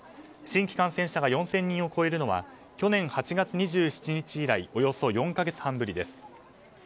新規感染者が４０００人を超えるのは去年８月２７日以来およそ４か月半ぶりです。